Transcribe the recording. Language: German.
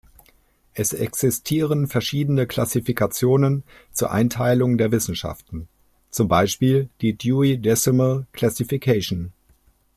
Es existieren verschiedene Klassifikationen zur Einteilung der Wissenschaften, zum Beispiel die Dewey Decimal Classification.